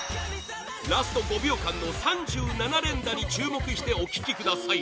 ラスト５秒間の３７連打に注目してお聴きください！